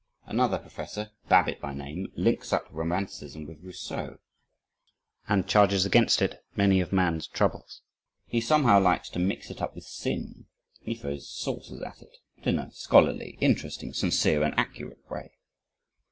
Another professor, Babbitt by name, links up Romanticism with Rousseau, and charges against it many of man's troubles. He somehow likes to mix it up with sin. He throws saucers at it, but in a scholarly, interesting, sincere, and accurate way.